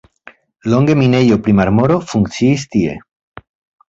Longe minejo pri marmoro funkciis tie.